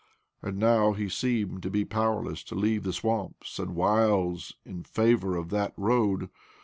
And now he seemed to be powerless to leave the swamps and wilds in favour of that road.